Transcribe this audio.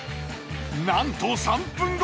なんと３分後！